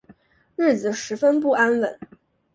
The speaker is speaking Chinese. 日子十分不安稳